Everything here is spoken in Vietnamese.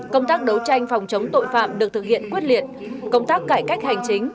công tác đấu tranh phòng chống tội phạm được thực hiện quyết liệt công tác cải cách hành chính